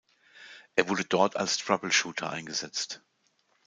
Er wurde dort als Troubleshooter eingesetzt.